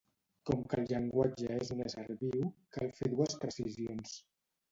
Com que el llenguatge és un ésser viu, cal fer dues precisions.